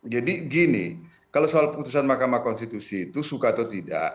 jadi gini kalau soal putusan mk itu suka atau tidak